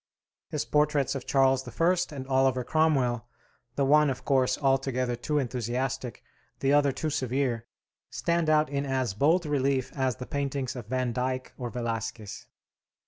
His portraits of Charles I. and Oliver Cromwell the one, of course, altogether too enthusiastic, the other too severe stand out in as bold relief as the paintings of Van Dyck or Velasquez.